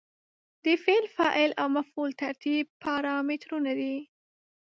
د فعل، فاعل او مفعول ترتیب پارامترونه دي.